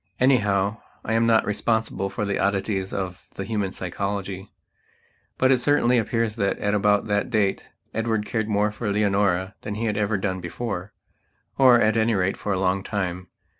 Anyhow, I am not responsible for the oddities of the human psychology. But it certainly appears that at about that date Edward cared more for Leonora than he had ever done beforeor, at any rate, for a long time.